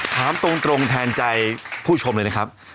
ถามตรงแทนใจผู้ชมเลยนะครับ